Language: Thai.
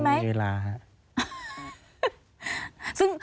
ยังไม่มีเวลาครับ